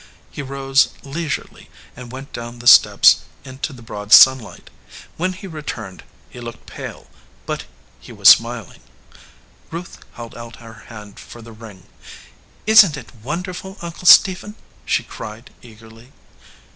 He rose leisurely and went down the steps into the broad sunlight. When he re turned he looked pale, but he was smiling. Ruth held out her hand for the ring. "Isn t it wonderful, Uncle Stephen?" she cried, eagerly.